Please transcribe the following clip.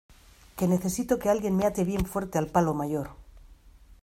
que necesito que alguien me ate bien fuerte al palo mayor